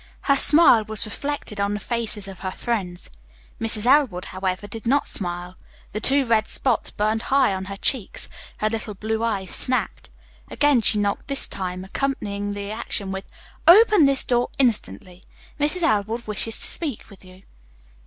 Her smile was reflected on the faces of her friends. Mrs. Elwood, however, did not smile. Two red spots burned high on her cheeks, her little blue eyes snapped. Again she knocked, this time accompanying the action with: "Open this door, instantly. Mrs. Elwood wishes to speak with you."